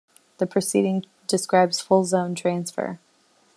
The preceding describes full zone transfer.